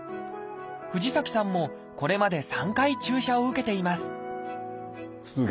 藤崎さんもこれまで３回注射を受けています